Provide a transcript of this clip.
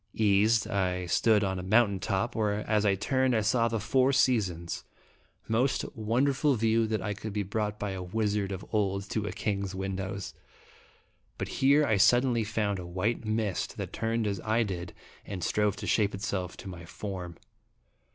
Eased, I stood on a mountain top, where, as I turned, I saw the four seasons most wonder ful view that could be brought by a wizard of old to a king's windows ; but here I suddenly 104 QLl)t ^Dramatic in found a white mist that turned as I did, and strove to shape itself to my form.